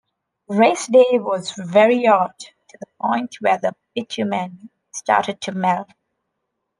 Race day was very hot, to the point where the bitumen started to melt.